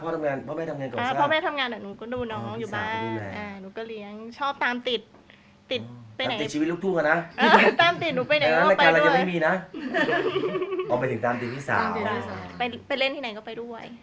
ถ้ายืมได้ก็เหมือนขอได้ไง